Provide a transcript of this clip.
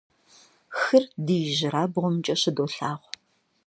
Хыр ди ижьырабгъумкӀэ щыдолъагъу.